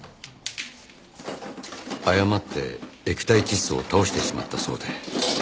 誤って液体窒素を倒してしまったそうで。